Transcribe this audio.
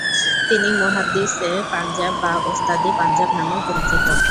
তিনি "মুহাদ্দিস-ই-পাঞ্জাব" বা "ওস্তাদ-ই-পাঞ্জাব" নামেও পরিচিত।